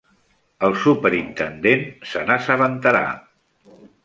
El superintendent se n'assabentarà.